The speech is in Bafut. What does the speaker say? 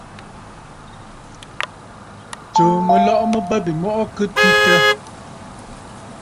Tsuu mɨlɔ̀ʼɔ̀ mɨ bə̂ bîmɔʼɔ kɨ twitə̂.